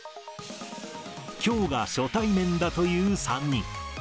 きょうが初対面だという３人。